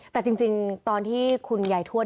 แต่จริงตอนที่คุณยายทวด